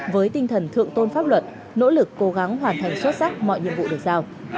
với tinh thần thượng tôn pháp luật nỗ lực cố gắng hoàn thành xuất sắc mọi nhiệm vụ được giao